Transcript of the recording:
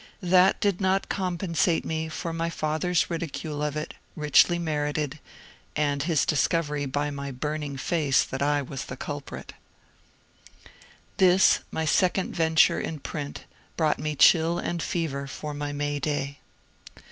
That did not compen sate me for my father's ridicule of it, richly merited, and his discovery by my burning face that I was the culprit. EARLY POLITICAL WRITING 63 This, my second ventare in print, brooght me chill and f ever for my May Day.